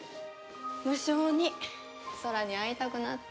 無性にそらに会いたくなって。